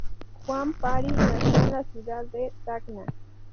Juan Pari nació en la ciudad de Tacna.